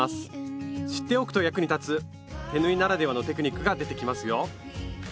知っておくと役に立つ手縫いならではのテクニックが出てきますよ！